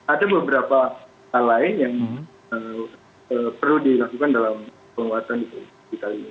ada beberapa hal lain yang perlu dilakukan dalam penguatan digital ini